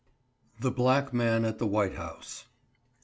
THE BLACK MAN AT THE WHITE HOUSE.